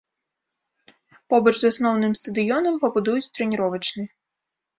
Побач з асноўным стадыёнам пабудуюць трэніровачны.